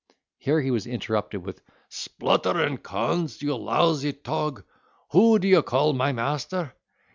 Here he was interrupted with, "Splutter and cons! you lousy tog, who do you call my master?